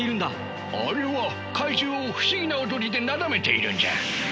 あれは怪獣を不思議な踊りでなだめているんじゃ。